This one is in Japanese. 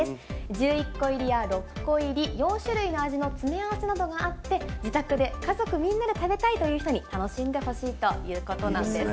１１個入りや６個入り、４種類の味の詰め合わせなどがあって、自宅で家族みんなで食べたいという人に楽しんでほしいということなんです。